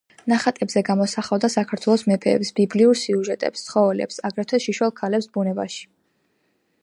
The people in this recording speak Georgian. ნახატებზე გამოსახავდა საქართველოს მეფეებს, ბიბლიურ სიუჟეტებს, ცხოველებს, აგრეთვე შიშველ ქალებს ბუნებაში.